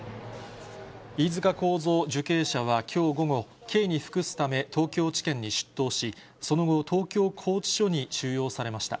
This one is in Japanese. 飯塚幸三受刑者はきょう午後、刑に服すため、東京地検に出頭し、その後、東京拘置所に収容されました。